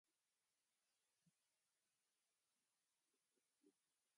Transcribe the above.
Un ejemplo diario es la venta de productos envasados cuyo envase debe devolverse.